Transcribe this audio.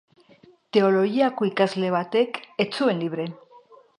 Teologiako ikasle batek ez zuen libre.